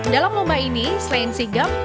dalam lomba ini selain sigap